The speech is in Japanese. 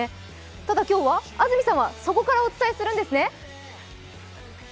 ただ今日は、安住さんはそこからお伝えするんですね？